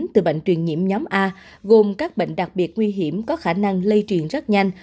từ bệnh truyền nhiễm nhóm a gồm các bệnh đặc biệt nguy hiểm có khả năng lây truyền rất nhanh